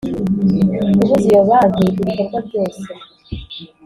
Kubuza iyo banki ibikorwa byose